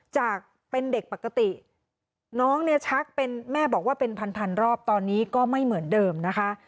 จากเป็นเด็กปกติน้องเนี่ยชักเป็นแม่บอกว่าเป็นพันรอบตอนนี้ก็ไม่เหมือนเดิมนะคะ